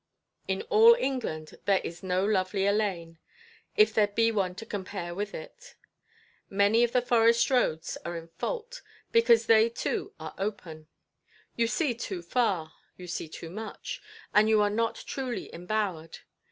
In all England there is no lovelier lane, if there be one to compare with it. Many of the forest roads are in fault, because they are too open. You see too far, you see too much, and you are not truly embowered.